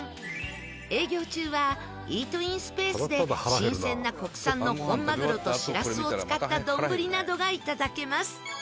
営業中はイートインスペースで新鮮な国産の本まぐろとしらすを使った丼などがいただけます。